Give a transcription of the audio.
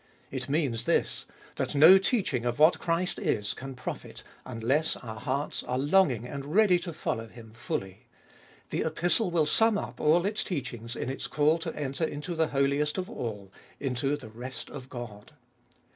It means this, that no teaching of what Christ is can profit, unless our hearts are longing and ready to follow Him fully. The Epistle will sum up all its teachings in its call to enter into the Holiest of All, into the rest of God.